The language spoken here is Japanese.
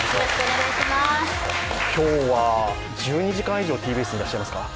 今日は１２時間以上、ＴＢＳにいらっしゃいますか？